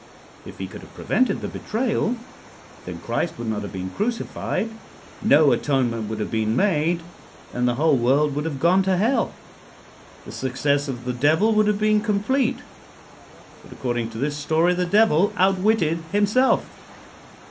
If he could have prevented the betrayal, then Christ would not have been crucified. No atonement would have been made, and the whole world would have gone to hell. The success of the Devil would have been complete. But, according to this story, the Devil outwitted himself.